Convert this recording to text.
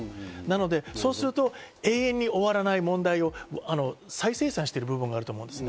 そうすると永遠に終わらない問題を再生産してる部分があると思うんですね。